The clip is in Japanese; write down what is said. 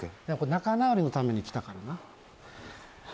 仲直りのために来たからな。